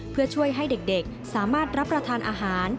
เพื่อช่วยให้เด็กสามารถรับประทานอาหาร